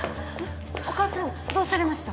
お母さんどうされました？